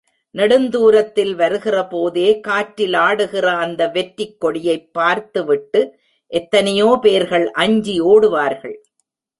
நெடுந்துரத்தில் வருகிறபோதே காற்றில் ஆடுகிற அந்த வெற்றிக் கொடியைப் பார்த்துவிட்டு எத்தனையோ பேர்கள் அஞ்சி ஒடுவார்கள்.